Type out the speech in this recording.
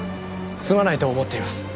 すまないと思っています。